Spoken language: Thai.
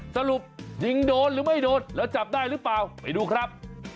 สรุปยิงโดนหรือไม่โดนแล้วจับได้หรือเปล่าไปดูครับ